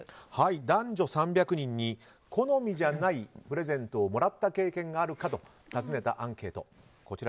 男女３００人に好みじゃないプレゼントをもらった経験があるか尋ねたアンケート。